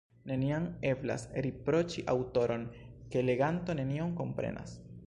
Neniam eblas riproĉi aŭtoron, ke leganto nenion komprenas.